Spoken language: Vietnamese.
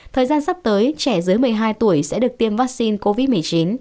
thời gian sắp tới trẻ dưới một mươi hai tuổi sẽ được tiêm vaccine covid một mươi chín